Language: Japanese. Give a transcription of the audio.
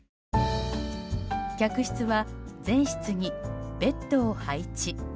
客室は全室にベッドを配置。